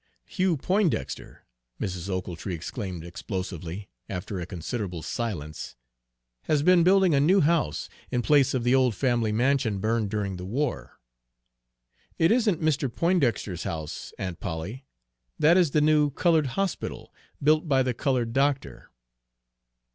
"Hugh Poindexter," Mrs. Ochiltree exclaimed explosively, after a considerable silence, "has been building a new house, in place of the old family mansion burned during the war." "It isn't Mr. Poindexter's house, Aunt Polly. That is the new colored hospital built by the colored doctor."